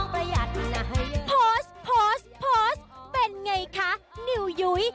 พอสเป็นไงคะนิวยุ้ย